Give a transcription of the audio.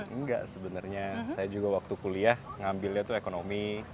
engga sebenernya saya juga waktu kuliah ngambilnya itu ekonomi